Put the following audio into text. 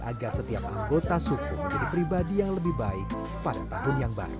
agar setiap anggota suku menjadi pribadi yang lebih baik pada tahun yang baru